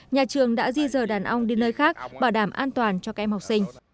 nhà trường đã di dờ đàn ong đi nơi khác bảo đảm an toàn cho các em học sinh